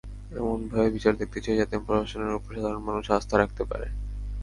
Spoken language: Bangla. এমনভাবে বিচার দেখতে চাই, যাতে প্রশাসনের ওপর সাধারণ মানুষ আস্থা রাখতে পারে।